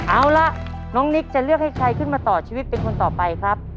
เอาล่ะน้องนิกจะเลือกให้ใครขึ้นมาต่อชีวิตเป็นคนต่อไปครับ